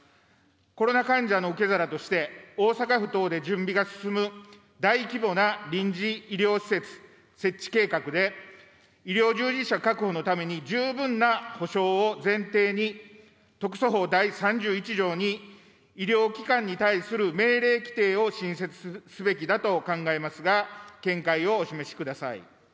コロナ患者の受け皿として、大阪府等で準備が進む大規模な臨時医療施設設置計画で、医療従事者確保のために十分な補償を前提に特措法第３１条に医療機関に対する命令規定を新設すべきだと考えますが、見解をお示しください。